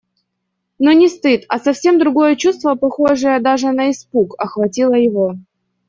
Но не стыд, а совсем другое чувство, похожее даже на испуг, охватило его.